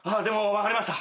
分かりました。